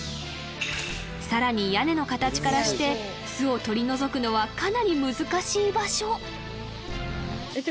さらに屋根の形からして巣を取り除くのはかなり難しい場所